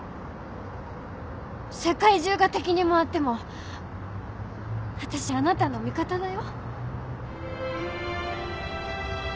世界中が敵に回ってもわたしあなたの味方だよ。